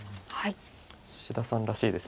志田さんらしいです。